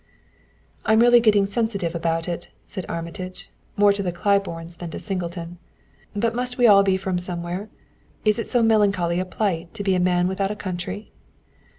"I'm really getting sensitive about it," said Armitage, more to the Claibornes than to Singleton. "But must we all be from somewhere? Is it so melancholy a plight to be a man without a country?"